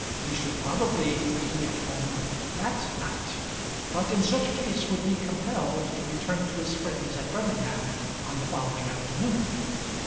He should probably be at home that night, but in such case would be compelled to return to his friends at Birmingham on the following afternoon.